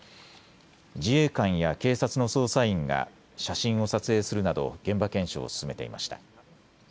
自衛官や警察の捜査員が写真を撮影するなど現場検証を進めていました。